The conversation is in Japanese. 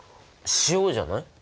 塩じゃない？